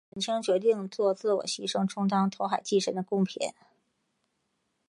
沈清决心作自我牺牲充当投海祭神的供品。